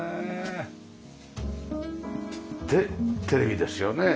でテレビですよね。